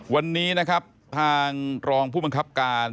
วันนี้นะครับทางรองผู้บังคับการ